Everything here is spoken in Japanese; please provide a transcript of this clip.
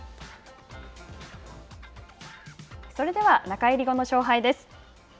それでは中入り後の勝敗です。